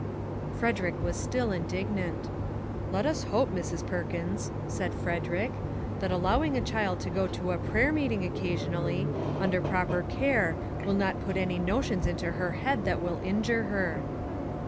Frederick was still indignant. " Let us hope, Mrs. Perkins," he said, " that allowing a child to go to a prayer meeting occasionally, under proper care, will not put any notions into her head that will injure her."